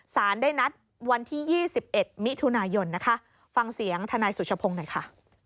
สารได้นัดวันที่๒๑มิถุนายนนะคะฟังเสียงทนายสุชพงศ์หน่อยค่ะ